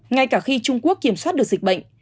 ngay cả khi trung quốc kiểm soát được dịch bệnh